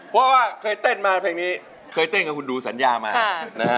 เพราะว่าเคยเต้นมาเพลงนี้เคยเต้นกับคุณดูสัญญามานะฮะ